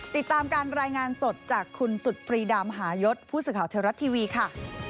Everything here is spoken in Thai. ติดตามการรายงานสดจากคุณสุฤษฎีดามหญผู้สื่อข่าวเทราชนะคะ